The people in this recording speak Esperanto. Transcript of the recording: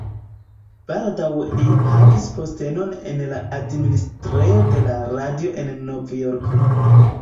Baldaŭe li havis postenon en la administrejo de la Radio en Novjorko.